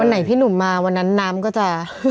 ไหนพี่หนุ่มมาวันนั้นน้ำก็จะ